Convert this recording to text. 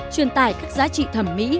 truyền tải các giá trị thẩm mỹ